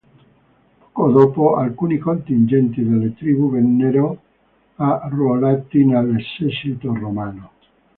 Poco dopo alcuni contingenti della tribù vennero arruolati nell'esercito romano.